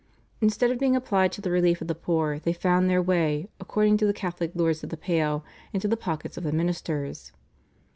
Instead of being applied to the relief of the poor they found their way, according to the Catholic Lords of the Pale, into the pockets of the ministers.